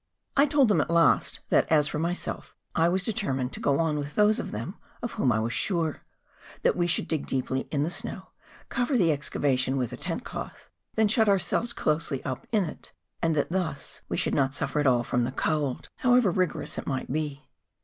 I told tliem at last that as for myself I was determined to go on with those of them of whom I was sure ; that we should dig deeply in the snow, cover the excavation with the tent cloth, then shut ourselves closely up in it, and that thus we should not suffer at all from the cold. 4 MOUNTAIN ADVENTURES. however rigorous it might be.